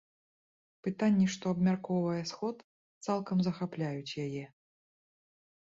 Пытанні, што абмяркоўвае сход, цалкам захапляюць яе.